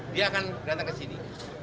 dia akan datang ke sini